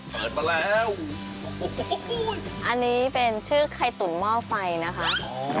เปิดมาแล้วอันนี้เป็นชื่อไข่ตุ๋นหม้อไฟนะคะ